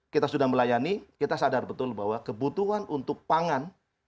kita sudah melayani kita sadar betul bahwa kebutuhan untuk pangan